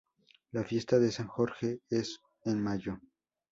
La fiesta de San Jorge es en mayo.